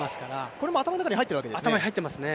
これも頭の中に入っているわけですね？